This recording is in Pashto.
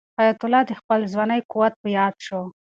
حیات الله ته د خپل ځوانۍ قوت په یاد شو.